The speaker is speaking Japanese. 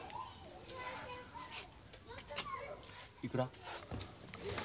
いくら？